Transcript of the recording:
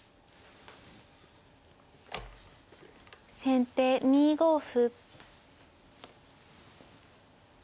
先手２五歩。